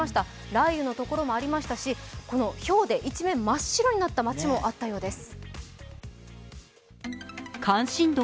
雷雨のところもありましたしひょうで一面、真っ白になった町もあったようです。